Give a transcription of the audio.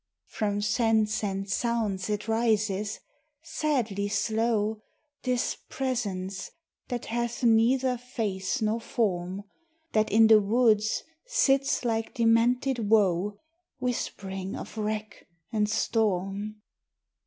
From scents and sounds it rises, sadly slow, This presence, that hath neither face nor form; That in the woods sits like demented woe, Whispering of wreck and storm.